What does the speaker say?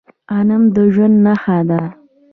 غنم د ژوند نښه ده.